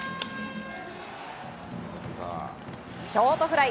ショートフライ。